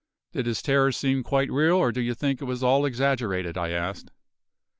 "Did his terror seem quite real, or do you think it was at all exaggerated?" I asked.